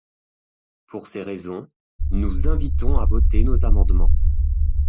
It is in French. Pour ces raisons, nous invitons à voter nos amendements.